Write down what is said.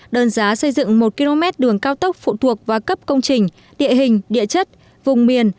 đơn giá xây dựng một km đường cao tốc phụ thuộc vào cấp công trình địa hình địa chất vùng miền